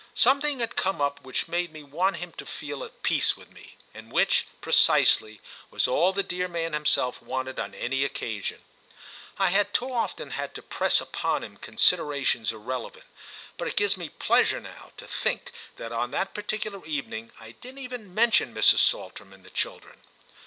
Something had come up which made me want him to feel at peace with me—and which, precisely, was all the dear man himself wanted on any occasion. I had too often had to press upon him considerations irrelevant, but it gives me pleasure now to think that on that particular evening I didn't even mention Mrs. Saltram and the children.